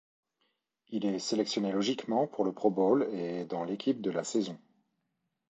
Il est sélectionné logiquement pour le Pro Bowl et dans l'équipe de la saison.